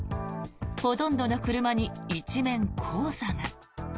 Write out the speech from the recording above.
ほとんどの車に一面黄砂が。